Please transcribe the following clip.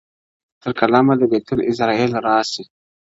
تر قلمه د بېلتون عزرایل راسي!!..